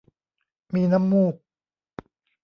มีน้ำมูก